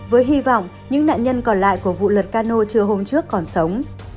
với hy vọng những nạn nhân còn lại của vụ lật cano chưa hôm trước còn sống